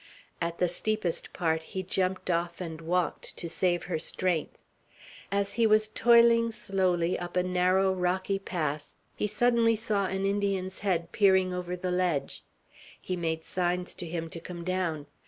At the steepest part he jumped off and walked, to save her strength. As he was toiling slowly up a narrow, rocky pass, he suddenly saw an Indian's head peering over the ledge. He made signs to him to come down.